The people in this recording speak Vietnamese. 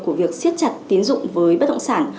của việc siết chặt tín dụng với bất động sản